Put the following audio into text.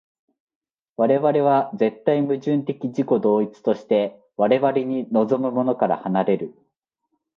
我々は絶対矛盾的自己同一として我々に臨むものから離れる。